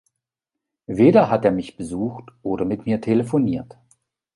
Weder hat er mich besucht oder mit mir telefoniert.